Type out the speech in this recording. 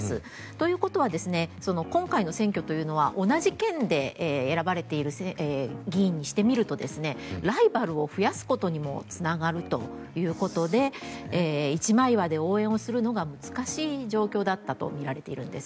ということは今回の選挙というのは同じ県で選ばれている議員にしてみるとライバルを増やすことにもつながるということで一枚岩で応援をするのが難しい状況だったとみられているんです。